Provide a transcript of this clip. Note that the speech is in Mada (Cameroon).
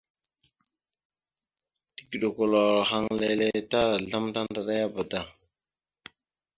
Tigəɗokoloro ahaŋ leele ta azlam tandaɗaba da.